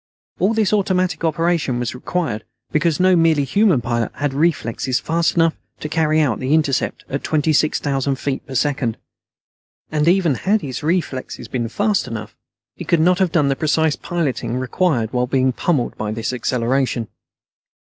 All this automatic operation was required because no merely human pilot had reflexes fast enough to carry out an intercept at twenty six thousand feet per second. And even had his reflexes been fast enough, he could not have done the precise piloting required while being pummeled by this acceleration.